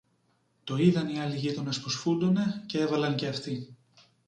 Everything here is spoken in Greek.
Το είδαν οι άλλοι γείτονες πως φούντωνε, κι έβαλαν και αυτοί.